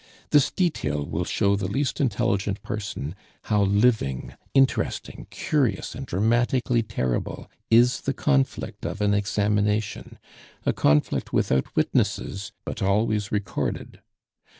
This detail will show the least intelligent person how living, interesting, curious, and dramatically terrible is the conflict of an examination a conflict without witnesses, but always recorded.